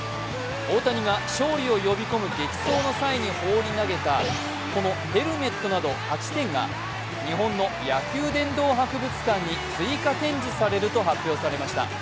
大谷が勝利を呼び込む激走の際に放り投げたこのヘルメットなど８点が日本の野球殿堂博物館に追加展示されると発表されました